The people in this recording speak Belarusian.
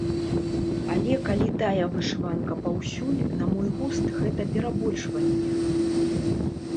Але калі тая вышыванка паўсюль, на мой густ гэта перабольшванне.